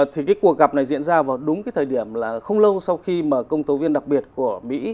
thì cái cuộc gặp này diễn ra vào đúng cái thời điểm là không lâu sau khi mà công tố viên đặc biệt của mỹ